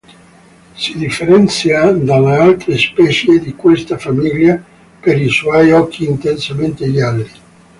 Si differenzia dalle altre specie di questa famiglia per i suoi occhi intensamente gialli.